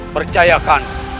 percaya ke allah